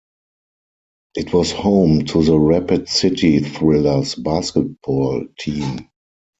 It was home to the Rapid City Thrillers basketball team.